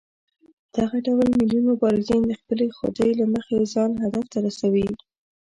دغه ډول ملي مبارزین د خپلې خودۍ له مخې ځان هدف ته رسوي.